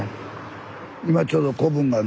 今ちょうど子分がね